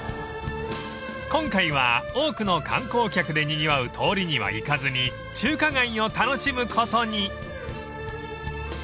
［今回は多くの観光客でにぎわう通りには行かずに中華街を楽しむことに］